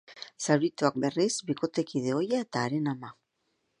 Zaurituak berriz, bikotekide ohia eta haren ama.